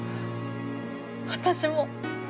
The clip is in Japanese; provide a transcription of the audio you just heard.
私も。